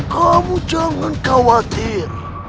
kamu jangan khawatir